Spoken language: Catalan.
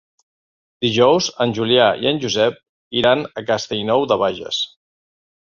Dijous en Julià i en Josep iran a Castellnou de Bages.